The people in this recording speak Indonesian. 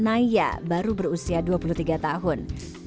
naya baru berusia dua puluh tiga tahun